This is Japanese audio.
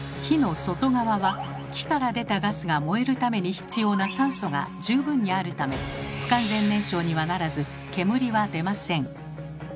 火の外側は木から出たガスが燃えるために必要な酸素が十分にあるため不完全燃焼にはならず煙は出ません。